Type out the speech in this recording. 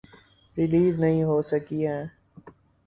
Release نہیں ہوسکی ہیں۔